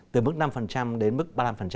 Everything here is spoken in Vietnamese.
từ mức năm đến mức ba mươi năm